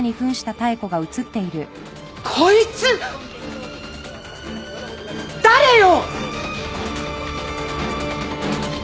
こいつ誰よ！？